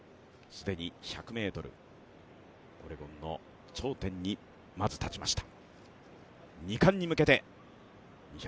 すでに１００ｍオレゴンの頂点にまず立ちました。